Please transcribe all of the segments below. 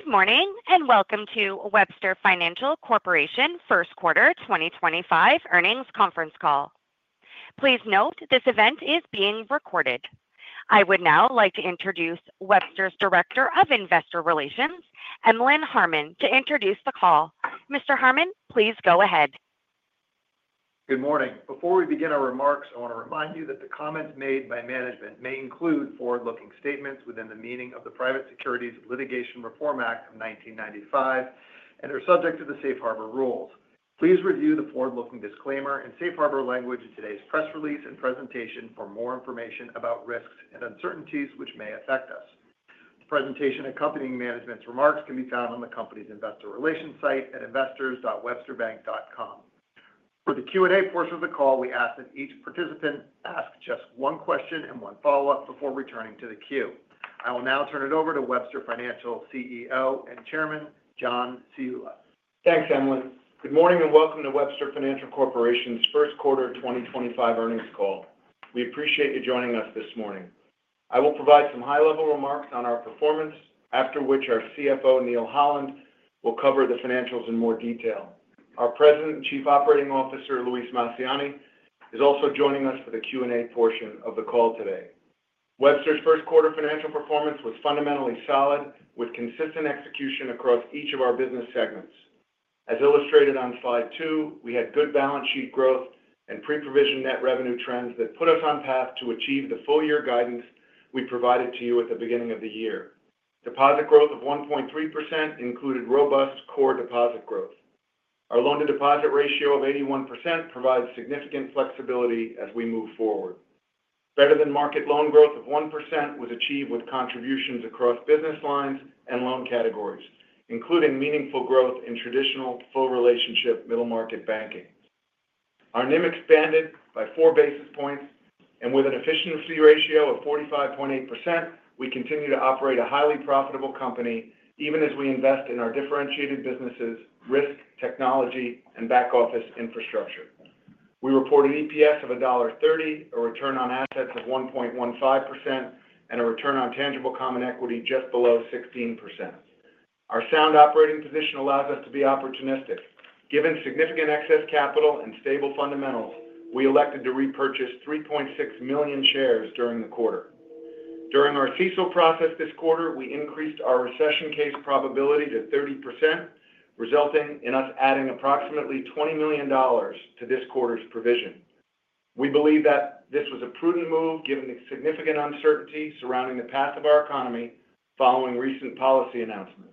Good morning and welcome to Webster Financial Corporation First Quarter 2025 Earnings Conference Call. Please note this event is being recorded. I would now like to introduce Webster's Director of Investor Relations, Emlen Harmon, to introduce the call. Mr. Harmon, please go ahead. Good morning. Before we begin our remarks, I want to remind you that the comments made by management may include forward-looking statements within the meaning of the Private Securities Litigation Reform Act of 1995 and are subject to the safe harbor rules. Please review the forward-looking disclaimer and Safe Harbor language in today's press release and presentation for more information about risks and uncertainties which may affect us. The presentation accompanying management's remarks can be found on the company's Investor Relations site at investors.websterbank.com. For the Q&A portion of the call, we ask that each participant ask just one question and one follow-up before returning to the queue. I will now turn it over to Webster Financial CEO and Chairman, John Ciulla. Thanks, Emlen. Good morning and welcome to Webster Financial Corporation's First Quarter 2025 Earnings Call. We appreciate you joining us this morning. I will provide some high-level remarks on our performance, after which our CFO, Neal Holland, will cover the financials in more detail. Our President and Chief Operating Officer, Luis Massiani, is also joining us for the Q&A portion of the call today. Webster's first quarter financial performance was fundamentally solid, with consistent execution across each of our business segments. As illustrated on Slide 2, we had good balance sheet growth and pre-provision net revenue trends that put us on path to achieve the full-year guidance we provided to you at the beginning of the year. Deposit growth of 1.3% included robust core deposit growth. Our loan-to-deposit ratio of 81% provides significant flexibility as we move forward. Better-than-market loan growth of 1% was achieved with contributions across business lines and loan categories, including meaningful growth in traditional full-relationship middle-market banking. Our NIM expanded by four basis points, and with an efficiency ratio of 45.8%, we continue to operate a highly profitable company even as we invest in our differentiated businesses, risk, technology, and back-office infrastructure. We reported EPS of $1.30, a return on assets of 1.15%, and a return on tangible common equity just below 16%. Our sound operating position allows us to be opportunistic. Given significant excess capital and stable fundamentals, we elected to repurchase 3.6 million shares during the quarter. During our CECL process this quarter, we increased our recession case probability to 30%, resulting in us adding approximately $20 million to this quarter's provision. We believe that this was a prudent move given the significant uncertainty surrounding the path of our economy following recent policy announcements.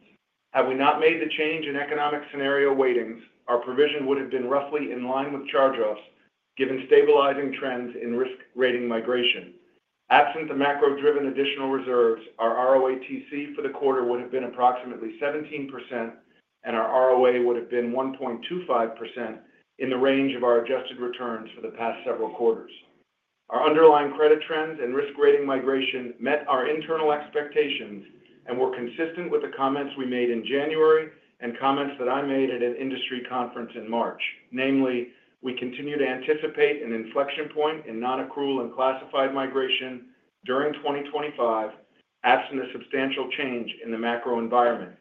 Had we not made the change in economic scenario weightings, our provision would have been roughly in line with charge-offs given stabilizing trends in risk-rating migration. Absent the macro-driven additional reserves, our ROATC for the quarter would have been approximately 17%, and our ROA would have been 1.25% in the range of our adjusted returns for the past several quarters. Our underlying credit trends and risk-rating migration met our internal expectations and were consistent with the comments we made in January and comments that I made at an industry conference in March, namely, we continue to anticipate an inflection point in non-accrual and classified migration during 2025 absent a substantial change in the macro environment.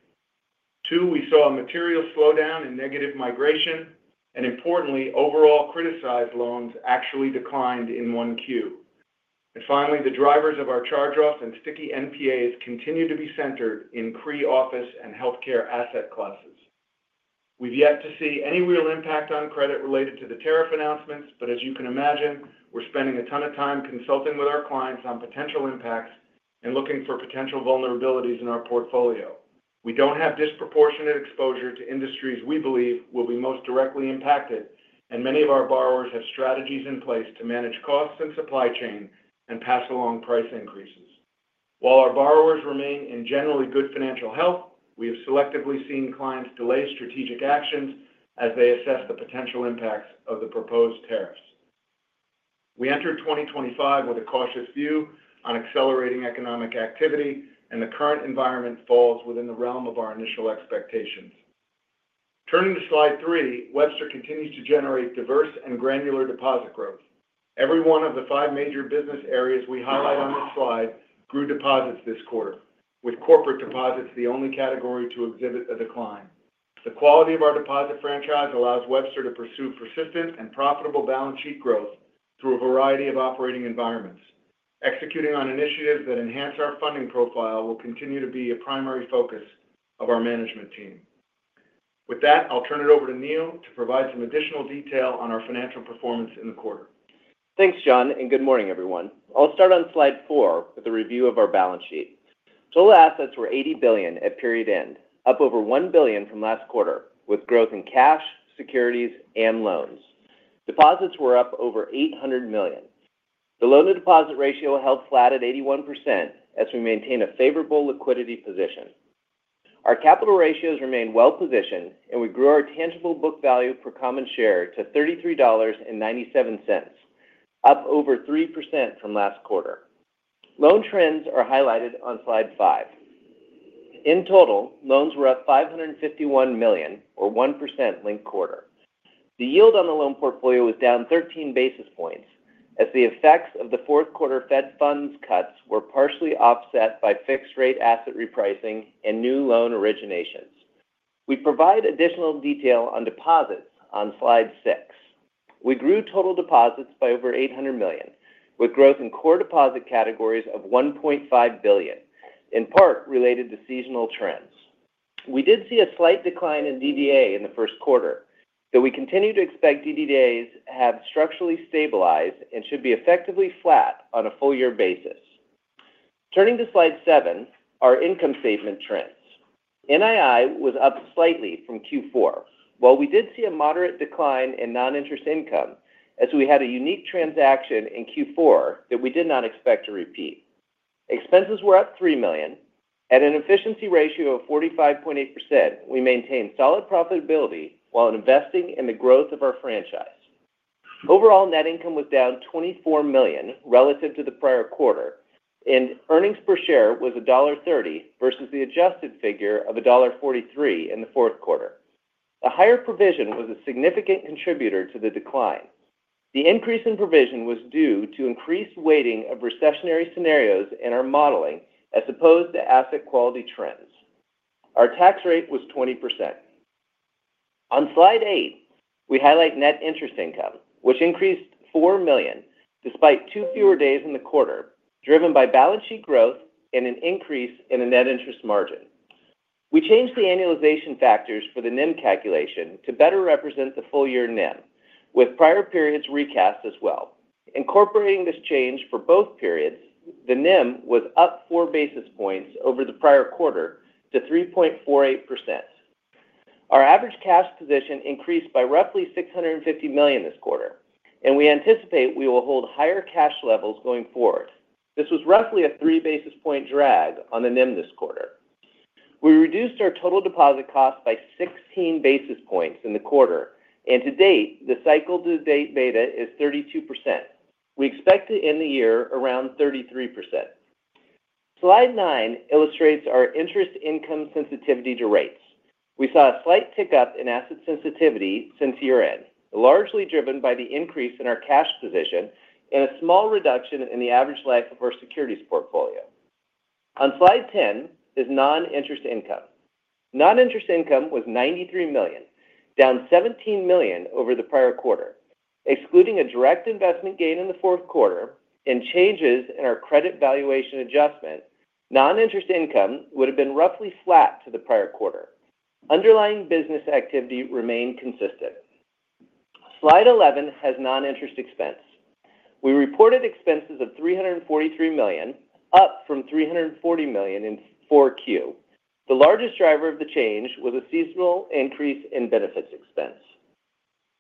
Two, we saw a material slowdown in negative migration, and importantly, overall criticized loans actually declined in 1Q. Finally, the drivers of our charge-offs and sticky NPAs continue to be centered in CRE office and healthcare asset classes. We've yet to see any real impact on credit related to the tariff announcements, but as you can imagine, we're spending a ton of time consulting with our clients on potential impacts and looking for potential vulnerabilities in our portfolio. We do not have disproportionate exposure to industries we believe will be most directly impacted, and many of our borrowers have strategies in place to manage costs and supply chain and pass along price increases. While our borrowers remain in generally good financial health, we have selectively seen clients delay strategic actions as they assess the potential impacts of the proposed tariffs. We entered 2025 with a cautious view on accelerating economic activity, and the current environment falls within the realm of our initial expectations. Turning to Slide 3, Webster continues to generate diverse and granular deposit growth. Every one of the five major business areas we highlight on this slide grew deposits this quarter, with corporate deposits the only category to exhibit a decline. The quality of our deposit franchise allows Webster to pursue persistent and profitable balance sheet growth through a variety of operating environments. Executing on initiatives that enhance our funding profile will continue to be a primary focus of our management team. With that, I'll turn it over to Neal to provide some additional detail on our financial performance in the quarter. Thanks, John, and good morning, everyone. I'll start on Slide 4 with a review of our balance sheet. Total assets were $80 billion at period end, up over $1 billion from last quarter with growth in cash, securities, and loans. Deposits were up over $800 million. The loan-to-deposit ratio held flat at 81% as we maintain a favorable liquidity position. Our capital ratios remain well-positioned, and we grew our tangible book value per common share to $33.97, up over 3% from last quarter. Loan trends are highlighted on Slide 5. In total, loans were up $551 million, or 1% linked quarter. The yield on the loan portfolio was down 13 basis points as the effects of the fourth quarter Fed funds cuts were partially offset by fixed-rate asset repricing and new loan originations. We provide additional detail on deposits on Slide 6. We grew total deposits by over $800 million, with growth in core deposit categories of $1.5 billion, in part related to seasonal trends. We did see a slight decline in DDA in the first quarter, though we continue to expect DDAs have structurally stabilized and should be effectively flat on a full-year basis. Turning to Slide 7, our income statement trends. NII was up slightly from Q4, while we did see a moderate decline in non-interest income as we had a unique transaction in Q4 that we did not expect to repeat. Expenses were up $3 million. At an efficiency ratio of 45.8%, we maintained solid profitability while investing in the growth of our franchise. Overall net income was down $24 million relative to the prior quarter, and earnings per share was $1.30 versus the adjusted figure of $1.43 in the fourth quarter. A higher provision was a significant contributor to the decline. The increase in provision was due to increased weighting of recessionary scenarios in our modeling as opposed to asset quality trends. Our tax rate was 20%. On Slide 8, we highlight net interest income, which increased $4 million despite two fewer days in the quarter, driven by balance sheet growth and an increase in the net interest margin. We changed the annualization factors for the NIM calculation to better represent the full-year NIM, with prior periods recast as well. Incorporating this change for both periods, the NIM was up four basis points over the prior quarter to 3.48%. Our average cash position increased by roughly $650 million this quarter, and we anticipate we will hold higher cash levels going forward. This was roughly a three-basis-point drag on the NIM this quarter. We reduced our total deposit cost by 16 basis points in the quarter, and to date, the cycle-to-date beta is 32%. We expect to end the year around 33%. Slide 9 illustrates our interest income sensitivity to rates. We saw a slight tick up in asset sensitivity since year-end, largely driven by the increase in our cash position and a small reduction in the average life of our securities portfolio. On Slide 10 is non-interest income. Non-interest income was $93 million, down $17 million over the prior quarter. Excluding a direct investment gain in the fourth quarter and changes in our credit valuation adjustment, non-interest income would have been roughly flat to the prior quarter. Underlying business activity remained consistent. Slide 11 has non-interest expense. We reported expenses of $343 million, up from $340 million in fourth quarter. The largest driver of the change was a seasonal increase in benefits expense.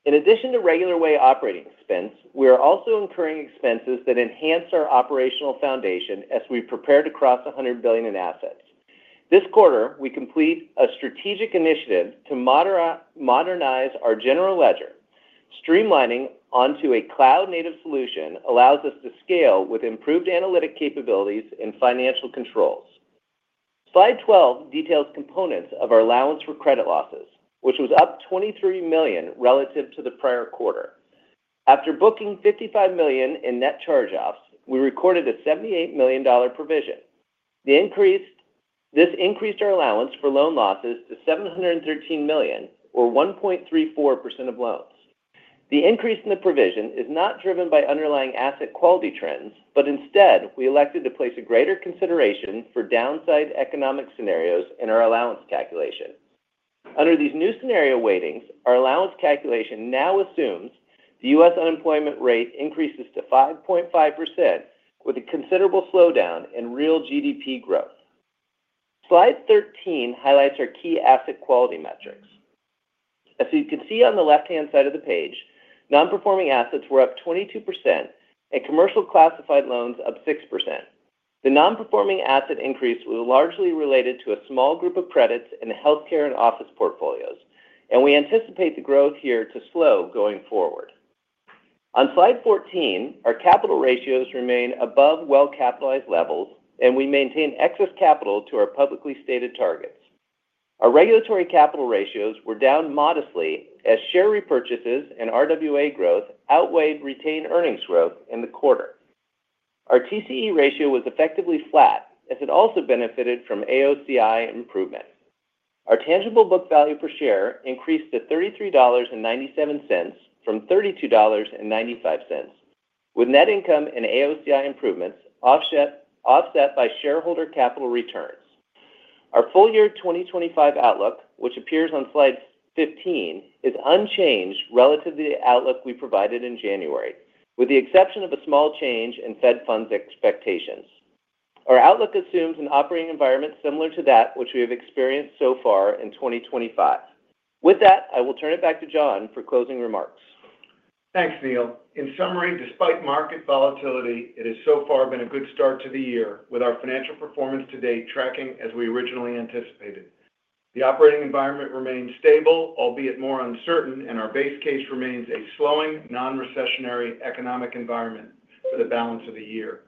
In addition to regular way operating expense, we are also incurring expenses that enhance our operational foundation as we prepare to cross $100 billion in assets. This quarter, we complete a strategic initiative to modernize our general ledger. Streamlining onto a cloud-native solution allows us to scale with improved analytic capabilities and financial controls. Slide 12 details components of our allowance for credit losses, which was up $23 million relative to the prior quarter. After booking $55 million in net charge-offs, we recorded a $78 million provision. This increased our allowance for loan losses to $713 million, or 1.34% of loans. The increase in the provision is not driven by underlying asset quality trends, but instead, we elected to place a greater consideration for downside economic scenarios in our allowance calculation. Under these new scenario weightings, our allowance calculation now assumes the U.S. unemployment rate increases to 5.5%, with a considerable slowdown in real GDP growth. Slide 13 highlights our key asset quality metrics. As you can see on the left-hand side of the page, non-performing assets were up 22% and commercial classified loans up 6%. The non-performing asset increase was largely related to a small group of credits in the healthcare and office portfolios, and we anticipate the growth here to slow going forward. On Slide 14, our capital ratios remain above well-capitalized levels, and we maintain excess capital to our publicly stated targets. Our regulatory capital ratios were down modestly as share repurchases and RWA growth outweighed retained earnings growth in the quarter. Our TCE ratio was effectively flat as it also benefited from AOCI improvements. Our tangible book value per share increased to $33.97 from $32.95, with net income and AOCI improvements offset by shareholder capital returns. Our full-year 2025 outlook, which appears on Slide 15, is unchanged relative to the outlook we provided in January, with the exception of a small change in Fed funds expectations. Our outlook assumes an operating environment similar to that which we have experienced so far in 2025. With that, I will turn it back to John for closing remarks. Thanks, Neal. In summary, despite market volatility, it has so far been a good start to the year, with our financial performance to date tracking as we originally anticipated. The operating environment remains stable, albeit more uncertain, and our base case remains a slowing non-recessionary economic environment for the balance of the year.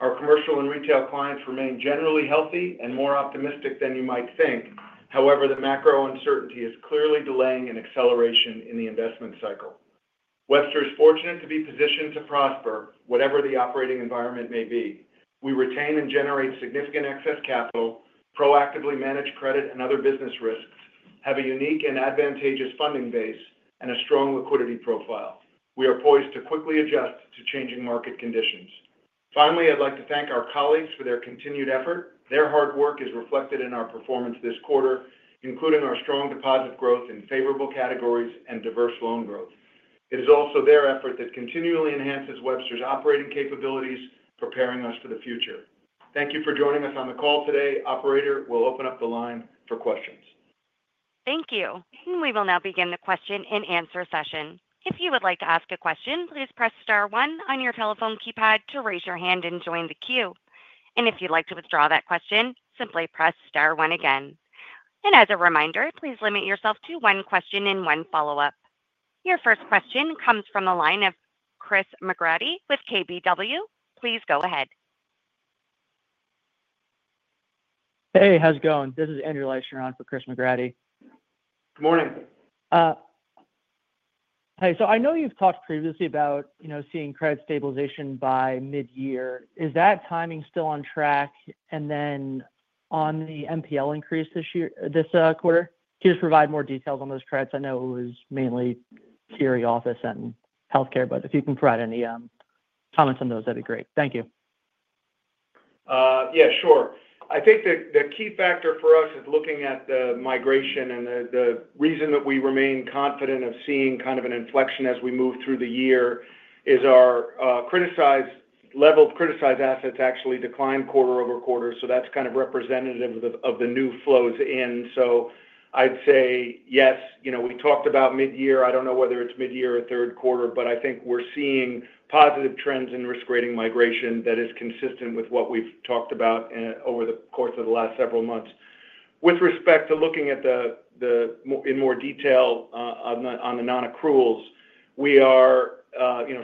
Our commercial and retail clients remain generally healthy and more optimistic than you might think. However, the macro uncertainty is clearly delaying an acceleration in the investment cycle. Webster is fortunate to be positioned to prosper whatever the operating environment may be. We retain and generate significant excess capital, proactively manage credit and other business risks, have a unique and advantageous funding base, and a strong liquidity profile. We are poised to quickly adjust to changing market conditions. Finally, I'd like to thank our colleagues for their continued effort. Their hard work is reflected in our performance this quarter, including our strong deposit growth in favorable categories and diverse loan growth. It is also their effort that continually enhances Webster's operating capabilities, preparing us for the future. Thank you for joining us on the call today. Operator will open up the line for questions. Thank you. We will now begin the question and answer session. If you would like to ask a question, please press star one on your telephone keypad to raise your hand and join the queue. If you'd like to withdraw that question, simply press star one again. As a reminder, please limit yourself to one question and one follow-up. Your first question comes from the line of Chris McGratty with KBW. Please go ahead. Hey, how's it going? This is Andrew Leischner on for Chris McGratty. Good morning. Hey, I know you've talked previously about seeing credit stabilization by mid-year. Is that timing still on track? On the NPL increase this quarter, could you just provide more details on those credits? I know it was mainly CRE office and healthcare, but if you can provide any comments on those, that'd be great. Thank you. Yeah, sure. I think the key factor for us is looking at the migration and the reason that we remain confident of seeing kind of an inflection as we move through the year is our level of criticized assets actually declined quarter-over-quarter. That is kind of representative of the new flows in. I would say, yes, we talked about mid-year. I do not know whether it is mid-year or third quarter, but I think we are seeing positive trends in risk-rating migration that is consistent with what we have talked about over the course of the last several months. With respect to looking at the in more detail on the non-accruals, we are,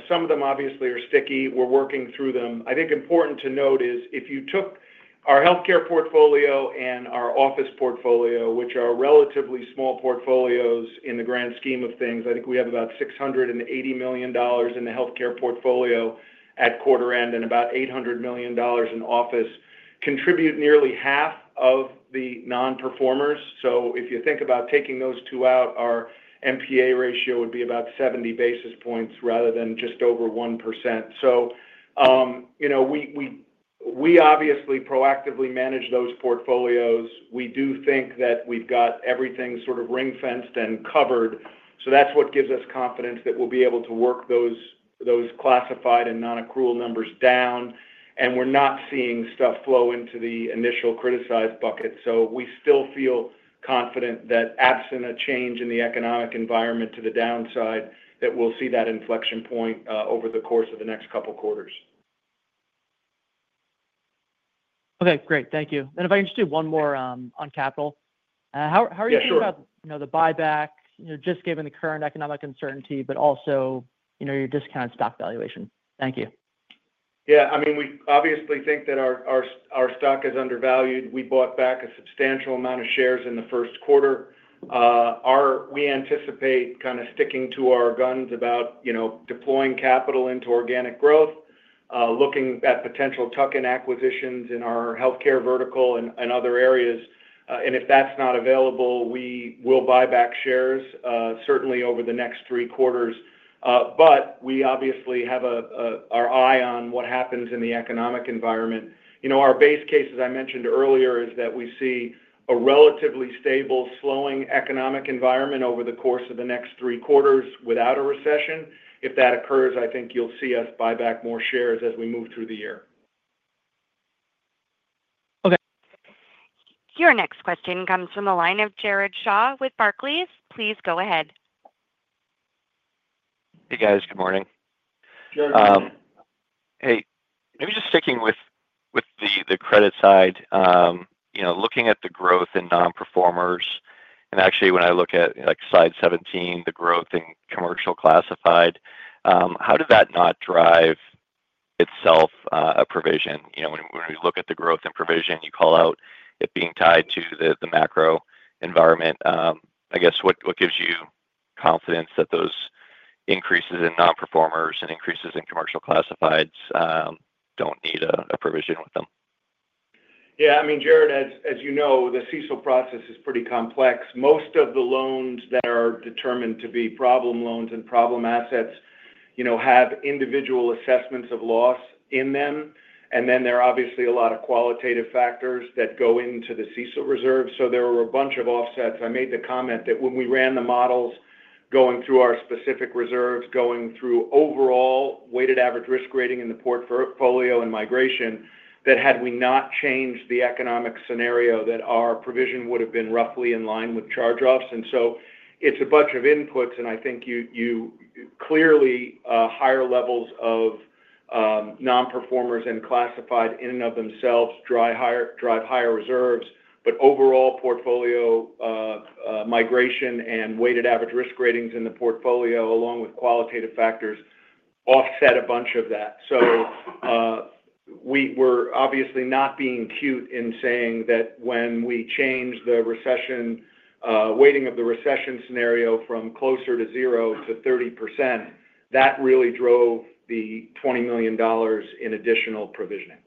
some of them obviously are sticky. We are working through them. I think important to note is if you took our healthcare portfolio and our office portfolio, which are relatively small portfolios in the grand scheme of things, I think we have about $680 million in the healthcare portfolio at quarter-end and about $800 million in office. Contribute nearly half of the non-performers. If you think about taking those two out, our NPA ratio would be about 70 basis points rather than just over 1%. We obviously proactively manage those portfolios. We do think that we've got everything sort of ring-fenced and covered. That gives us confidence that we'll be able to work those classified and non-accrual numbers down. We're not seeing stuff flow into the initial criticized bucket. We still feel confident that absent a change in the economic environment to the downside, that we'll see that inflection point over the course of the next couple of quarters. Okay, great. Thank you. If I can just do one more on capital. How are you feeling about the buyback, just given the current economic uncertainty, but also your discounted stock valuation? Thank you. Yeah, I mean, we obviously think that our stock is undervalued. We bought back a substantial amount of shares in the first quarter. We anticipate kind of sticking to our guns about deploying capital into organic growth, looking at potential tuck-in acquisitions in our healthcare vertical and other areas. If that's not available, we will buy back shares, certainly over the next three quarters. We obviously have our eye on what happens in the economic environment. Our base case, as I mentioned earlier, is that we see a relatively stable, slowing economic environment over the course of the next three quarters without a recession. If that occurs, I think you'll see us buy back more shares as we move through the year. Okay. Your next question comes from the line of Jared Shaw with Barclays. Please go ahead. Hey, guys. Good morning. Jared. Hey. Maybe just sticking with the credit side, looking at the growth in non-performers. Actually, when I look at slide 17, the growth in commercial classified, how did that not drive itself a provision? When we look at the growth and provision, you call out it being tied to the macro environment. I guess what gives you confidence that those increases in non-performers and increases in commercial classifieds don't need a provision with them? Yeah, I mean, Jared, as you know, the CECL process is pretty complex. Most of the loans that are determined to be problem loans and problem assets have individual assessments of loss in them. There are obviously a lot of qualitative factors that go into the CECL reserve. There were a bunch of offsets. I made the comment that when we ran the models going through our specific reserves, going through overall weighted average risk rating in the portfolio and migration, that had we not changed the economic scenario, our provision would have been roughly in line with charge-offs. It is a bunch of inputs, and I think you clearly higher levels of non-performers and classified in and of themselves drive higher reserves. Overall portfolio migration and weighted average risk ratings in the portfolio, along with qualitative factors, offset a bunch of that. We're obviously not being cute in saying that when we change the weighting of the recession scenario from closer to zero to 30%, that really drove the $20 million in additional provisioning.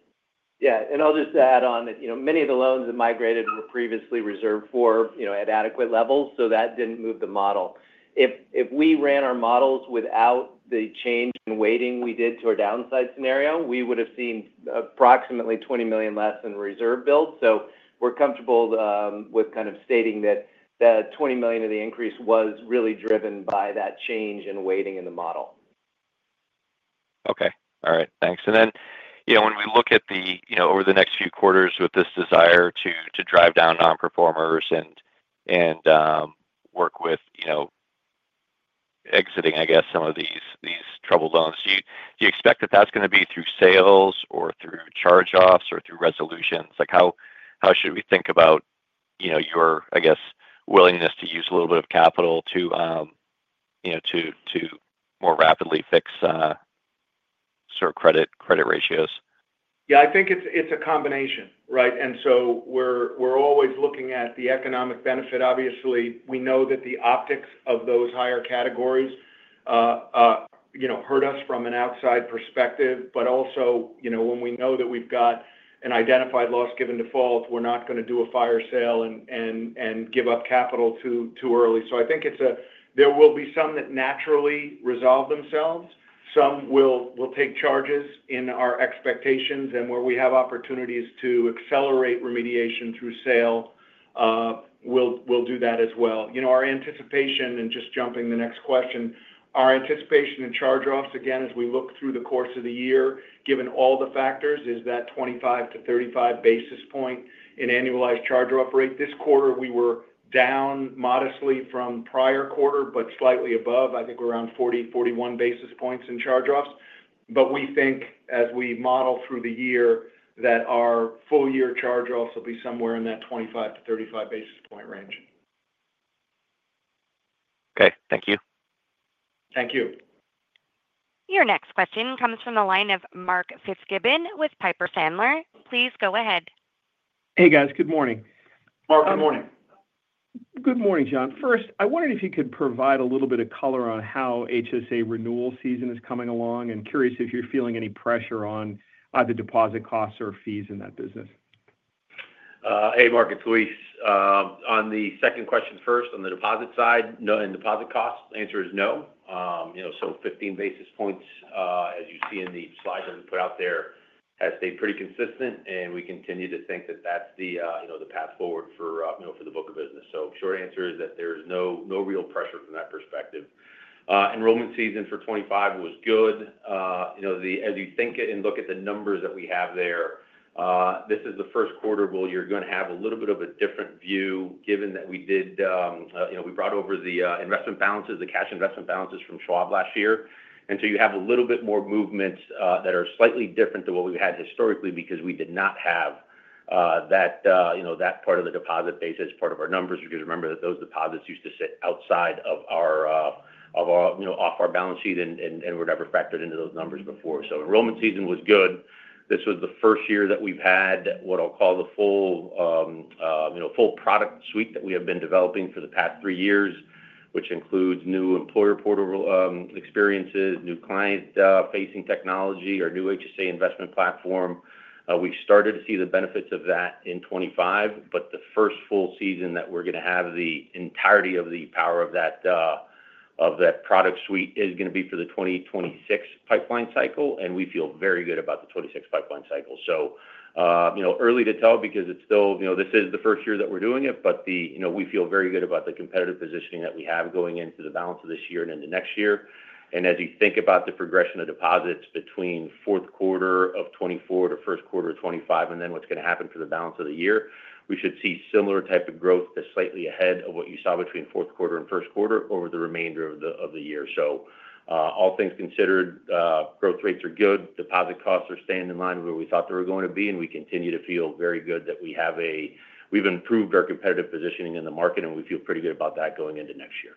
Yeah. I'll just add on that many of the loans that migrated were previously reserved for at adequate levels, so that did not move the model. If we ran our models without the change in weighting we did to our downside scenario, we would have seen approximately $20 million less in reserve build. We are comfortable with kind of stating that the $20 million of the increase was really driven by that change in weighting in the model. Okay. All right. Thanks. When we look at the over the next few quarters with this desire to drive down non-performers and work with exiting, I guess, some of these troubled loans, do you expect that that's going to be through sales or through charge-offs or through resolutions? How should we think about your, I guess, willingness to use a little bit of capital to more rapidly fix sort of credit ratios? Yeah, I think it's a combination, right? And so we're always looking at the economic benefit. Obviously, we know that the optics of those higher categories hurt us from an outside perspective. Also, when we know that we've got an identified loss given default, we're not going to do a fire sale and give up capital too early. I think there will be some that naturally resolve themselves. Some will take charges in our expectations. Where we have opportunities to accelerate remediation through sale, we'll do that as well. Our anticipation, and just jumping the next question, our anticipation in charge-offs, again, as we look through the course of the year, given all the factors, is that 25 to 35 basis point in annualized charge-off rate. This quarter, we were down modestly from prior quarter, but slightly above. I think we're around 40 to 41 basis points in charge-offs. But we think, as we model through the year, that our full-year charge-offs will be somewhere in that 25 to 35 basis point range. Okay. Thank you. Thank you. Your next question comes from the line of Mark Fitzgibbon with Piper Sandler. Please go ahead. Hey, guys. Good morning. Mark, good morning. Good morning, John. First, I wondered if you could provide a little bit of color on how HSA renewal season is coming along and curious if you're feeling any pressure on either deposit costs or fees in that business. Hey, Mark Fitzgibbon. On the second question first, on the deposit side and deposit costs, the answer is no. 15 basis points, as you see in the slides that we put out there, has stayed pretty consistent. We continue to think that that's the path forward for the book of business. Short answer is that there is no real pressure from that perspective. Enrollment season for 2025 was good. As you think and look at the numbers that we have there, this is the first quarter where you're going to have a little bit of a different view, given that we did bring over the investment balances, the cash investment balances from Schwab last year. You have a little bit more movements that are slightly different than what we've had historically because we did not have that part of the deposit base as part of our numbers. Remember that those deposits used to sit outside of our, off our balance sheet, and we've never factored into those numbers before. Enrollment season was good. This was the first year that we've had what I'll call the full product suite that we have been developing for the past three years, which includes new employer portal experiences, new client-facing technology, our new HSA investment platform. We've started to see the benefits of that in 2025. The first full season that we're going to have the entirety of the power of that product suite is going to be for the 2026 pipeline cycle. We feel very good about the 2026 pipeline cycle. is early to tell because this is still the first year that we are doing it, but we feel very good about the competitive positioning that we have going into the balance of this year and into next year. As you think about the progression of deposits between fourth quarter of 2024 to first quarter of 2025, and then what is going to happen for the balance of the year, we should see similar type of growth that is slightly ahead of what you saw between fourth quarter and first quarter over the remainder of the year. All things considered, growth rates are good. Deposit costs are staying in line with where we thought they were going to be. We continue to feel very good that we have improved our competitive positioning in the market, and we feel pretty good about that going into next year.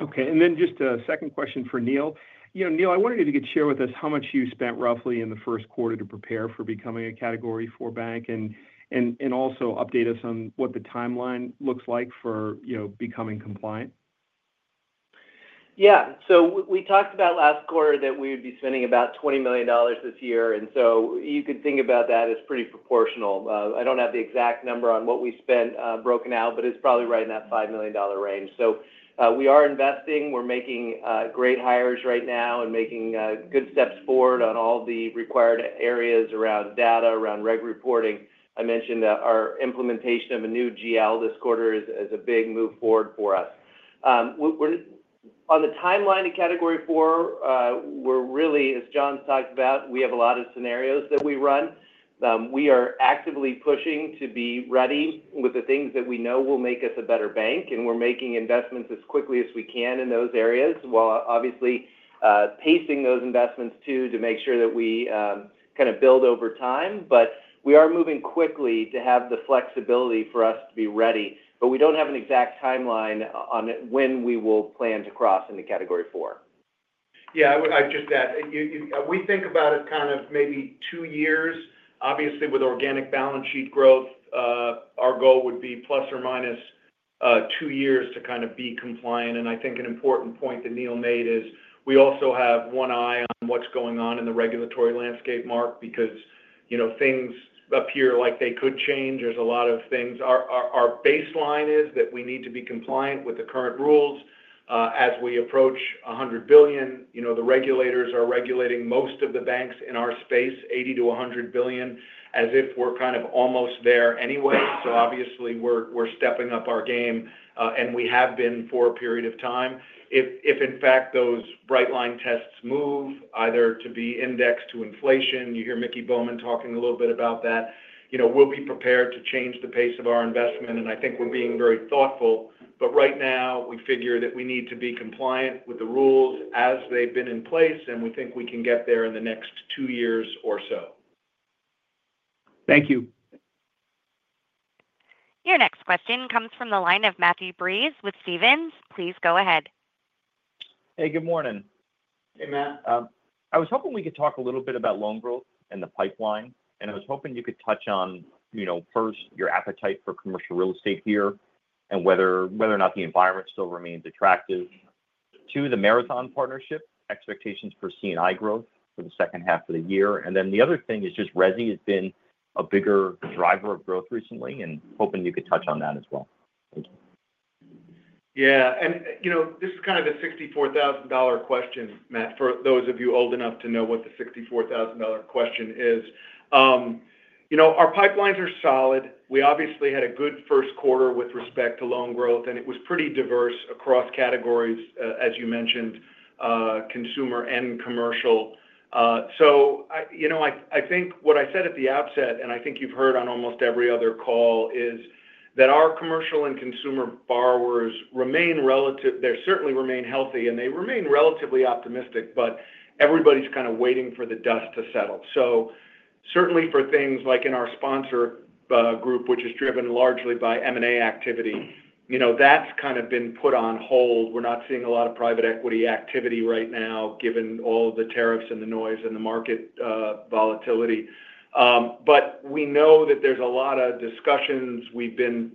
Okay. Just a second question for Neal. Neal, I wanted you to share with us how much you spent roughly in the first quarter to prepare for becoming a Category IV bank and also update us on what the timeline looks like for becoming compliant. Yeah. We talked about last quarter that we would be spending about $20 million this year. You could think about that as pretty proportional. I do not have the exact number on what we spent broken out, but it is probably right in that $5 million range. We are investing. We are making great hires right now and making good steps forward on all the required areas around data, around reg reporting. I mentioned that our implementation of a new GL this quarter is a big move forward for us. On the timeline to Category IV, we are really, as John talked about, we have a lot of scenarios that we run. We are actively pushing to be ready with the things that we know will make us a better bank. We are making investments as quickly as we can in those areas, while obviously pacing those investments too to make sure that we kind of build over time. We are moving quickly to have the flexibility for us to be ready. We do not have an exact timeline on when we will plan to cross into Category IV. Yeah, I would just add we think about it kind of maybe two years. Obviously, with organic balance sheet growth, our goal would be plus or minus two years to kind of be compliant. I think an important point that Neal made is we also have one eye on what's going on in the regulatory landscape, Mark, because things appear like they could change. There's a lot of things. Our baseline is that we need to be compliant with the current rules. As we approach $100 billion, the regulators are regulating most of the banks in our space, $80 billion-$100 billion, as if we're kind of almost there anyway. Obviously, we're stepping up our game, and we have been for a period of time. If, in fact, those bright line tests move, either to be indexed to inflation, you hear Miki Bowman talking a little bit about that, we will be prepared to change the pace of our investment. I think we are being very thoughtful. Right now, we figure that we need to be compliant with the rules as they have been in place, and we think we can get there in the next two years or so. Thank you. Your next question comes from the line of Matthew Breese with Stephens. Please go ahead. Hey, good morning. Hey, Matt. I was hoping we could talk a little bit about loan growth and the pipeline. I was hoping you could touch on, first, your appetite for commercial real estate here and whether or not the environment still remains attractive. Two, the Marathon partnership expectations for C&I growth for the second half of the year. The other thing is just Resi has been a bigger driver of growth recently, and hoping you could touch on that as well. Thank you. Yeah. This is kind of the $64,000 question, Matt, for those of you old enough to know what the $64,000 question is. Our pipelines are solid. We obviously had a good first quarter with respect to loan growth, and it was pretty diverse across categories, as you mentioned, consumer and commercial. I think what I said at the outset, and I think you've heard on almost every other call, is that our commercial and consumer borrowers remain, they certainly remain healthy, and they remain relatively optimistic, but everybody's kind of waiting for the dust to settle. Certainly for things like in our sponsor group, which is driven largely by M&A activity, that's kind of been put on hold. We're not seeing a lot of private equity activity right now, given all the tariffs and the noise and the market volatility. We know that there's a lot of discussions. We've been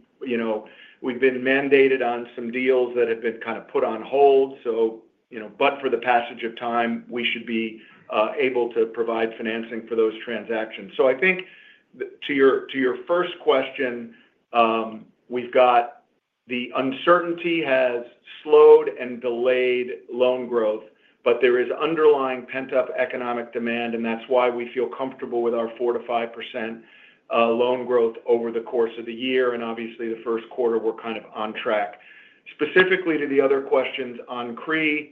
mandated on some deals that have been kind of put on hold. For the passage of time, we should be able to provide financing for those transactions. I think to your first question, we've got the uncertainty has slowed and delayed loan growth, but there is underlying pent-up economic demand, and that's why we feel comfortable with our 4%-5% loan growth over the course of the year. Obviously, the first quarter, we're kind of on track. Specifically to the other questions on CRE,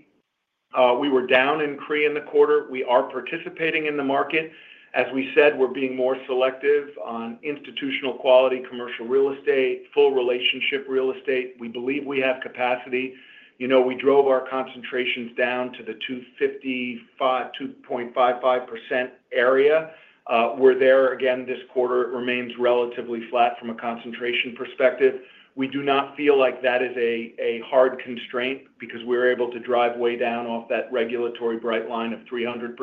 we were down in CRE in the quarter. We are participating in the market. As we said, we're being more selective on institutional quality, commercial real estate, full relationship real estate. We believe we have capacity. We drove our concentrations down to the 2.55% area. We're there again this quarter. It remains relatively flat from a concentration perspective. We do not feel like that is a hard constraint because we're able to drive way down off that regulatory bright line of 300%.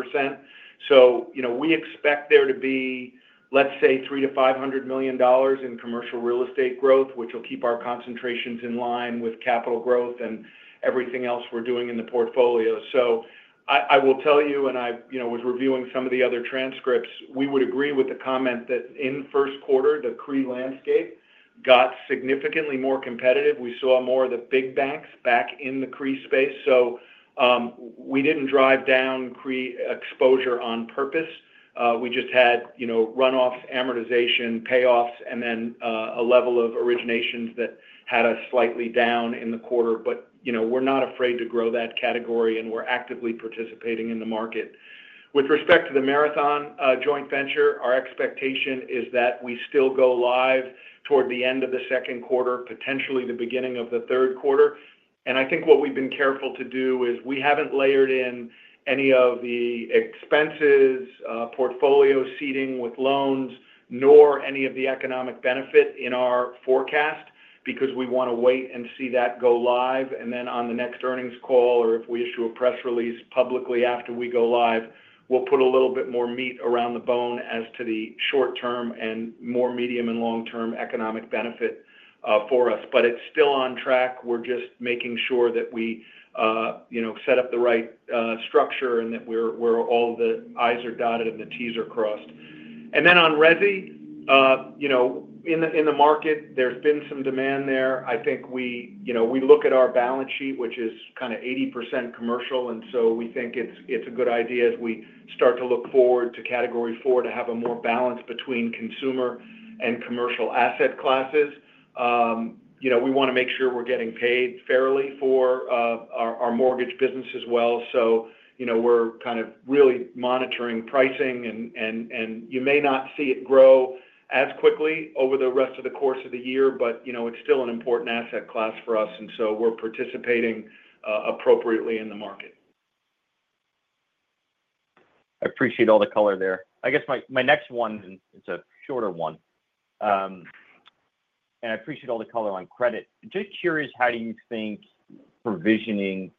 We expect there to be, let's say, $300 million-$500 million in commercial real estate growth, which will keep our concentrations in line with capital growth and everything else we're doing in the portfolio. I will tell you, and I was reviewing some of the other transcripts, we would agree with the comment that in first quarter, the CRE landscape got significantly more competitive. We saw more of the big banks back in the CRE space. We did not drive down CRE exposure on purpose. We just had runoffs, amortization, payoffs, and then a level of originations that had us slightly down in the quarter. We are not afraid to grow that category, and we are actively participating in the market. With respect to the Marathon joint venture, our expectation is that we still go live toward the end of the second quarter, potentially the beginning of the third quarter. I think what we have been careful to do is we have not layered in any of the expenses, portfolio seeding with loans, nor any of the economic benefit in our forecast because we want to wait and see that go live. On the next earnings call, or if we issue a press release publicly after we go live, we will put a little bit more meat around the bone as to the short-term and more medium and long-term economic benefit for us. It is still on track. We're just making sure that we set up the right structure and that all the i's are dotted and the t's are crossed. On Resi, in the market, there's been some demand there. I think we look at our balance sheet, which is kind of 80% commercial. We think it's a good idea as we start to look forward to Category IV to have a more balance between consumer and commercial asset classes. We want to make sure we're getting paid fairly for our mortgage business as well. We're kind of really monitoring pricing. You may not see it grow as quickly over the rest of the course of the year, but it's still an important asset class for us. We're participating appropriately in the market. I appreciate all the color there. I guess my next one, it's a shorter one. I appreciate all the color on credit. Just curious, how do you think provisioning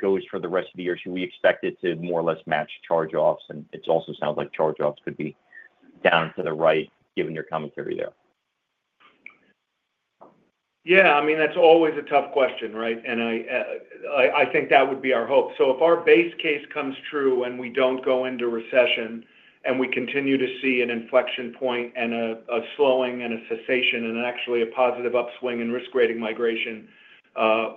goes for the rest of the year? Should we expect it to more or less match charge-offs? It also sounds like charge-offs could be down to the right, given your commentary there. Yeah. I mean, that's always a tough question, right? I think that would be our hope. If our base case comes true and we do not go into recession and we continue to see an inflection point and a slowing and a cessation and actually a positive upswing in risk-rating migration,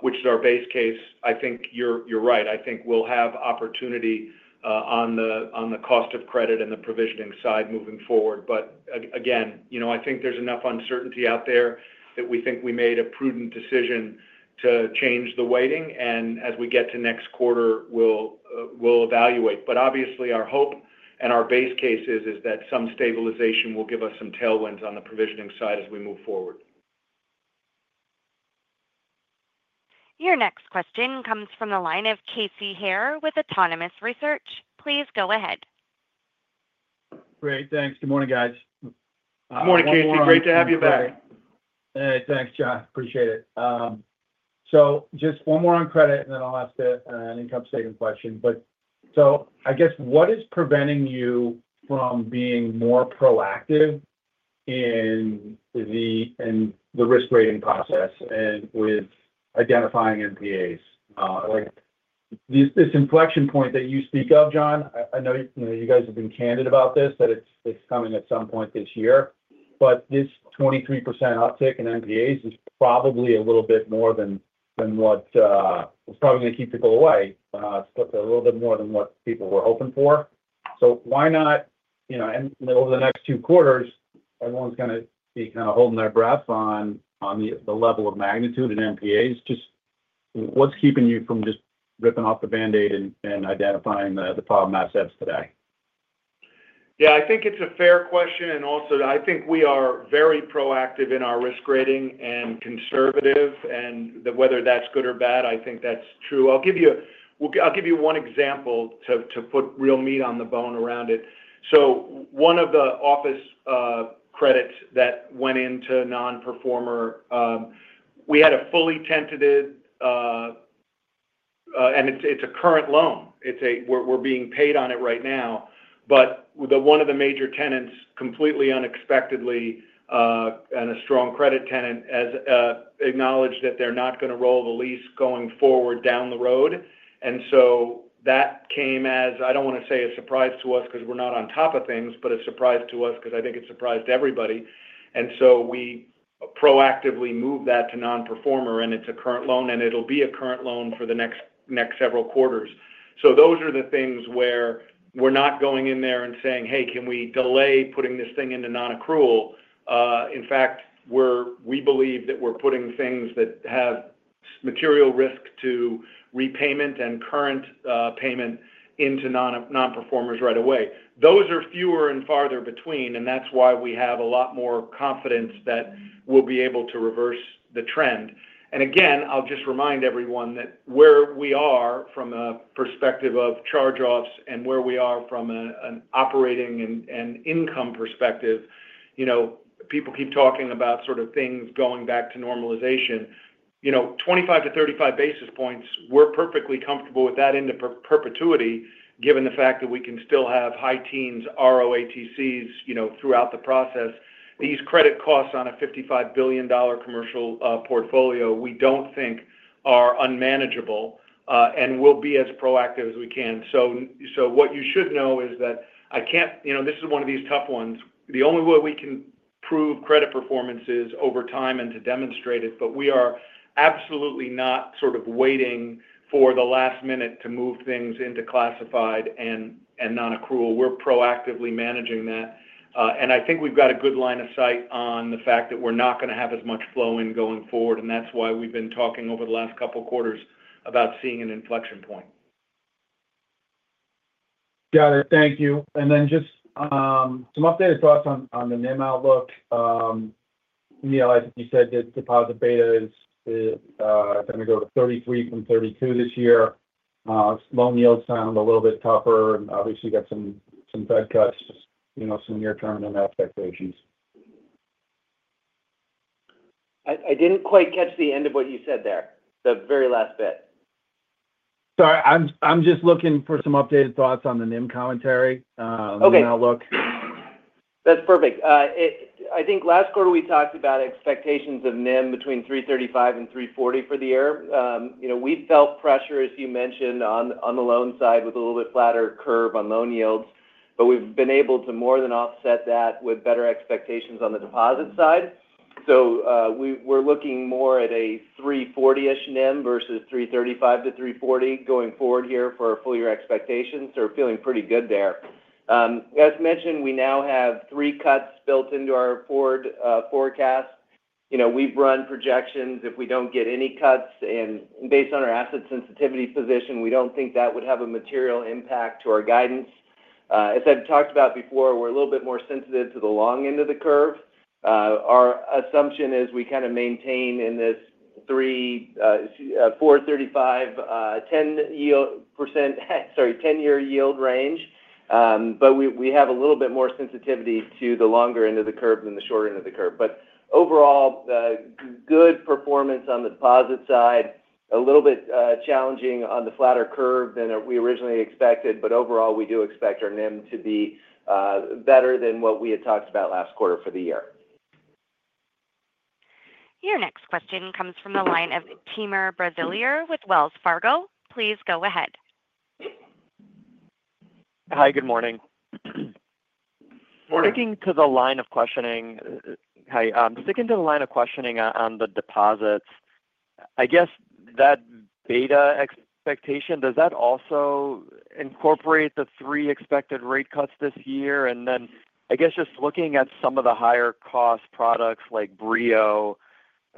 which is our base case, I think you're right. I think we'll have opportunity on the cost of credit and the provisioning side moving forward. I think there's enough uncertainty out there that we think we made a prudent decision to change the weighting. As we get to next quarter, we'll evaluate. Obviously, our hope and our base case is that some stabilization will give us some tailwinds on the provisioning side as we move forward. Your next question comes from the line of Casey Haire with Autonomous Research. Please go ahead. Great. Thanks. Good morning, guys. Good morning, Casey. Great to have you back. Hey. Thanks, John. Appreciate it. Just one more on credit, and then I'll ask an income statement question. I guess what is preventing you from being more proactive in the risk-rating process and with identifying NPAs? This inflection point that you speak of, John, I know you guys have been candid about this, that it's coming at some point this year. This 23% uptick in NPAs is probably a little bit more than what was probably going to keep people away. It's a little bit more than what people were hoping for. Why not, over the next two quarters, everyone's going to be kind of holding their breath on the level of magnitude in NPAs? Just what's keeping you from just ripping off the band-aid and identifying the problem assets today? Yeah. I think it's a fair question. I think we are very proactive in our risk-rating and conservative. Whether that's good or bad, I think that's true. I'll give you one example to put real meat on the bone around it. One of the office credits that went into non-performer, we had a fully tentative, and it's a current loan. We're being paid on it right now. One of the major tenants, completely unexpectedly and a strong credit tenant, acknowledged that they're not going to roll the lease going forward down the road. That came as, I don't want to say a surprise to us because we're not on top of things, but a surprise to us because I think it surprised everybody. We proactively moved that to non-performer, and it's a current loan, and it'll be a current loan for the next several quarters. Those are the things where we're not going in there and saying, "Hey, can we delay putting this thing into non-accrual?" In fact, we believe that we're putting things that have material risk to repayment and current payment into non-performers right away. Those are fewer and farther between, and that's why we have a lot more confidence that we'll be able to reverse the trend. I'll just remind everyone that where we are from a perspective of charge-offs and where we are from an operating and income perspective, people keep talking about sort of things going back to normalization. 25 to 35 basis points, we're perfectly comfortable with that into perpetuity, given the fact that we can still have high teens ROATCs throughout the process. These credit costs on a $55 billion commercial portfolio, we don't think are unmanageable, and we'll be as proactive as we can. What you should know is that I can't—this is one of these tough ones. The only way we can prove credit performance is over time and to demonstrate it. We are absolutely not sort of waiting for the last minute to move things into classified and non-accrual. We're proactively managing that. I think we've got a good line of sight on the fact that we're not going to have as much flow-in going forward. That's why we've been talking over the last couple of quarters about seeing an inflection point. Got it. Thank you. Just some updated thoughts on the NIM outlook. Neal, I think you said that deposit beta is going to go to 33 from 32 this year. Loan yields sound a little bit tougher. Obviously, you've got some Fed cuts, just some near-term NIM expectations. I didn't quite catch the end of what you said there, the very last bit. Sorry. I'm just looking for some updated thoughts on the NIM commentary and outlook. That's perfect. I think last quarter, we talked about expectations of NIM between 3.35 and 3.40 for the year. We've felt pressure, as you mentioned, on the loan side with a little bit flatter curve on loan yields, but we've been able to more than offset that with better expectations on the deposit side. We are looking more at a 3.40-ish NIM versus 3.35-3.40 going forward here for our full-year expectations. We are feeling pretty good there. As mentioned, we now have three cuts built into our forward forecast. We've run projections. If we do not get any cuts, and based on our asset sensitivity position, we do not think that would have a material impact to our guidance. As I've talked about before, we are a little bit more sensitive to the long end of the curve. Our assumption is we kind of maintain in this 4.35%, 10-year yield range. We have a little bit more sensitivity to the longer end of the curve than the short end of the curve. Overall, good performance on the deposit side, a little bit challenging on the flatter curve than we originally expected. Overall, we do expect our NIM to be better than what we had talked about last quarter for the year. Your next question comes from the line of Timur Braziler with Wells Fargo. Please go ahead. Hi. Good morning. Good morning. Sticking to the line of questioning on the deposits, I guess that beta expectation, does that also incorporate the three expected rate cuts this year? I guess just looking at some of the higher-cost products like Brio,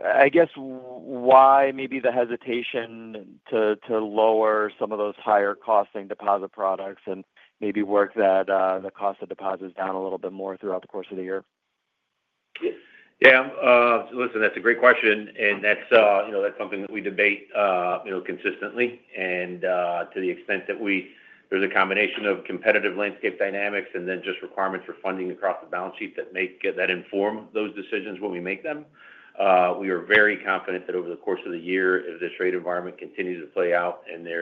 I guess why maybe the hesitation to lower some of those higher-costing deposit products and maybe work the cost of deposits down a little bit more throughout the course of the year? Yeah. Listen, that's a great question. That's something that we debate consistently. To the extent that there's a combination of competitive landscape dynamics and just requirements for funding across the balance sheet that inform those decisions when we make them, we are very confident that over the course of the year, if this rate environment continues to play out and the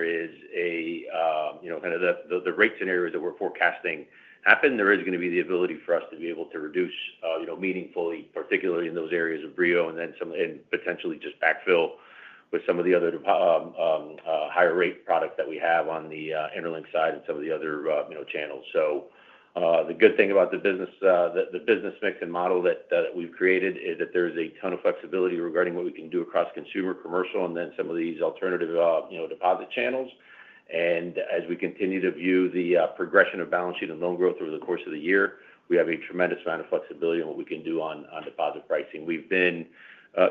rate scenarios that we're forecasting happen, there is going to be the ability for us to be able to reduce meaningfully, particularly in those areas of Brio and then potentially just backfill with some of the other higher-rate products that we have on the interLINK side and some of the other channels. The good thing about the business mix and model that we've created is that there is a ton of flexibility regarding what we can do across consumer, commercial, and then some of these alternative deposit channels. As we continue to view the progression of balance sheet and loan growth over the course of the year, we have a tremendous amount of flexibility in what we can do on deposit pricing. We've been